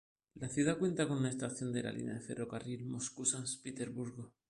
La ciudad cuenta con una estación de la línea de ferrocarril Moscú-San Petersburgo.